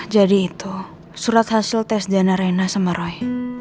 jadi itu surat hasil tes dna reina sama roy